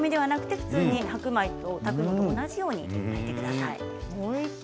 普通に白米を炊くのと同じように炊いてください。